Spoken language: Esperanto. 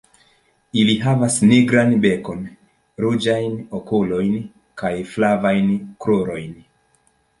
Ili havas nigran bekon, ruĝajn okulojn kaj flavajn krurojn.